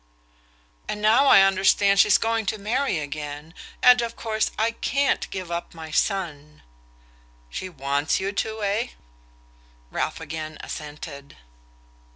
"And now I understand she's going to marry again and of course I can't give up my son." "She wants you to, eh?" Ralph again assented.